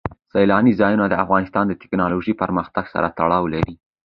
سیلانی ځایونه د افغانستان د تکنالوژۍ پرمختګ سره تړاو لري.